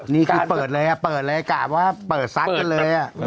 นี่คือเปิดเลยกล่าวว่าเปิดซักกันเลย